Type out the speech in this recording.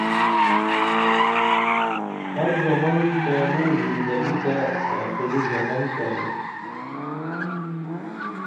ہر زمن تانوں زندگی تہ آخری زمن ڇمئی